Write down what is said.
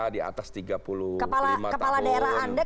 di atas tiga puluh lima tahun